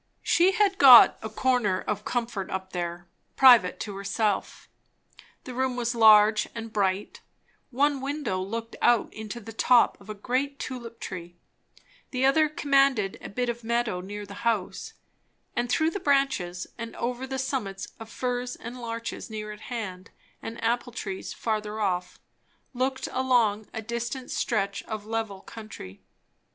She had got a corner of comfort up there, private to herself. The room was large and bright; one window looked out into the top of a great tulip tree, the other commanded a bit of meadow near the house, and through the branches and over the summits of firs and larches near at hand and apple trees further off, looked along a distant stretch of level country.